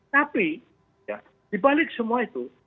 tapi dibalik semua itu